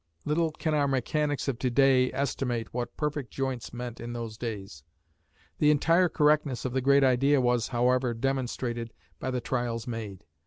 Little can our mechanics of to day estimate what "perfect joints" meant in those days. The entire correctness of the great idea was, however, demonstrated by the trials made.